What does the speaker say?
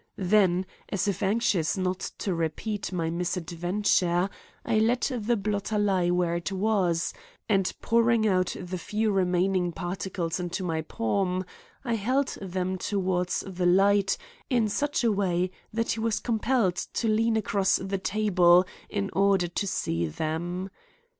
Then, as if anxious not to repeat my misadventure, I let the blotter lie where it was, and pouring out the few remaining particles into my palm, I held them toward the light in such a way that he was compelled to lean across the table in order to see them.